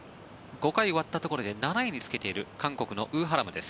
５回終わったところで７位につけている韓国のウ・ハラムです。